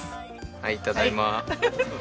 はいただいま。